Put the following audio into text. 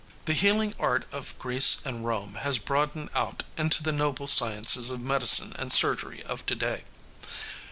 The healing art of Greece and Rome has broadened out into the noble sciences of medicine and surgery of to day.